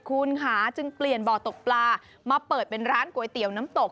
คุณค่ะจึงเปลี่ยนบ่อตกปลามาเปิดเป็นร้านก๋วยเตี๋ยวน้ำตก